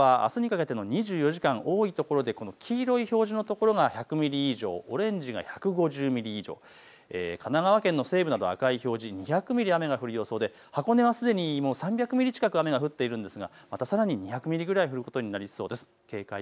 予想される雨の量はあすにかけての２４時間多い所で黄色い表示の所が１００ミリ以上、オレンジが１５０ミリ以上、神奈川県の西部など赤い表示、２００ミリ雨が降る予想で箱根はすでに３００ミリ近く雨が降っているんです。